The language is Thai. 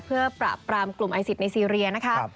เพื่อปราบปรามกลุ่มไอซิสในซีเรียนะคะ